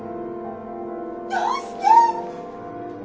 どうして！